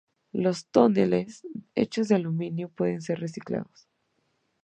Los toneles, hechos de aluminio, pueden ser reciclados.